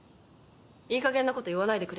いいかげんなこと言わないでくれるかな。